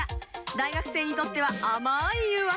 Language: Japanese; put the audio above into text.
大学生にとっては甘い誘惑。